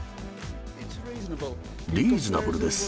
リーズナブルです。